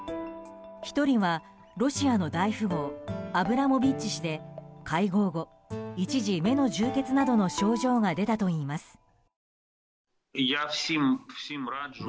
１人はロシアの大富豪アブラモビッチ氏で会合後一時、目の充血などの症状が出たといいます。